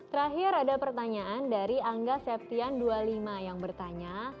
terakhir ada pertanyaan dari angga septian dua puluh lima yang bertanya